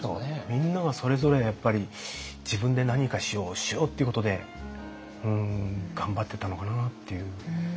みんながそれぞれやっぱり自分で何かしようしようっていうことで頑張ってたのかなっていう。